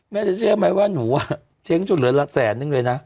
แม่จะเชื่อไหมว่าไหนเก่าก็เหลือแสนนึง